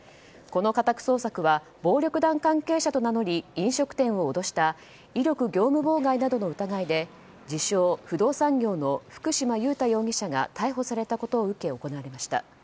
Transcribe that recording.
この家宅捜索は暴力団関係者と名乗り飲食店を脅した威力業務妨害などの疑いで自称不動産業の福島裕太容疑者が逮捕されたことを受け行われました。